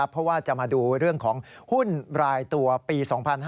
เพราะว่าจะมาดูเรื่องของหุ้นรายตัวปี๒๕๕๙